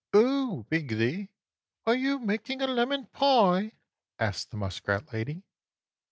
"Oh, Wiggy! Are you making a lemon pie?" asked the muskrat lady.